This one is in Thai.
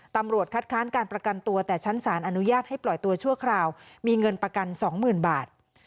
ตำรวจคัดค้านการประกันตัวแต่ชั้นศาลอนุญาตให้ปล่อยตัวชั่วคราวมีเงินประกัน๒๐๐๐บาท